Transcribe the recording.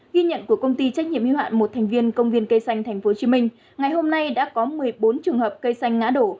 ghi nhận của công ty trách nhiệm y hoạn một thành viên công viên cây xanh tp hcm ngày hôm nay đã có một mươi bốn trường hợp cây xanh ngã đổ